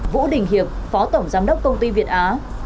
vũ đình hiệp phó tổng giám đốc công ty việt á